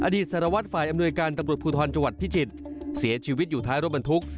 สารวัตรฝ่ายอำนวยการตำรวจภูทรจังหวัดพิจิตรเสียชีวิตอยู่ท้ายรถบรรทุก